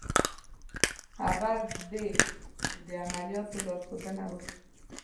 هغه دې د عملیاتو لارښودنه وکړي.